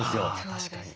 確かに。